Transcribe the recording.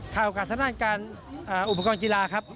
โอกาสทางด้านการอุปกรณ์กีฬาครับ